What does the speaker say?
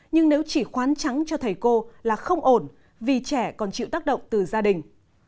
nhưng nếu chỉ khoán trắng cho thầy cô là không ổn vì trẻ còn chịu tác động từ gia đình